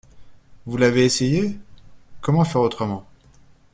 Vous l’avez essayé? Comment faire autrement.